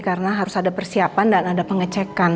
karena harus ada persiapan dan ada pengecekan